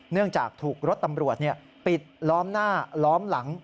จากถูกรถตำรวจปิดล้อมหน้าล้อมหลัง